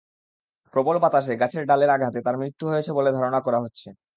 প্রবল বাতাসে গাছের ডালের আঘাতে তাঁর মৃত্যু হয়েছে বলে ধারণা করা হচ্ছে।